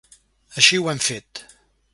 Així ho hem fet.